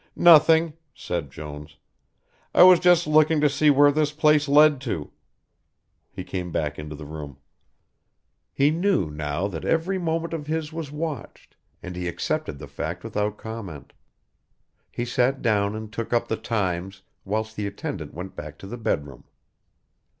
"Nothing," said Jones. "I was just looking to see where this place led to." He came back into the room. He knew now that every movement of his was watched, and he accepted the fact without comment. He sat down and took up the Times whilst the attendant went back to the bed room.